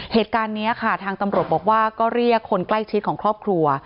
เหตุการณ์นี้ค่ะทางตำรวจบอกว่าก็เรียกคนใกล้ชิดของครอบครัว